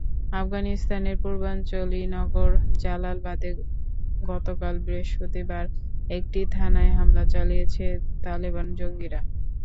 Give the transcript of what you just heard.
আফগানিস্তানের পূর্বাঞ্চলীয় নগর জালালাবাদে গতকাল বৃহস্পতিবার একটি থানায় হামলা চালিয়েছে তালেবান জঙ্গিরা।